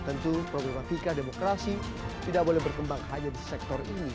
tentu problematika demokrasi tidak boleh berkembang hanya di sektor ini